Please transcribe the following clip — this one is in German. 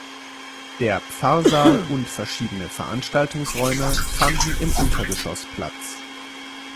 Der Pfarrsaal und verschiedene Veranstaltungsräume fanden im Untergeschoss Platz.